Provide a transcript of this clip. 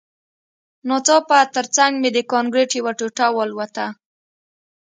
ناڅاپه ترڅنګ مې د کانکریټ یوه ټوټه والوته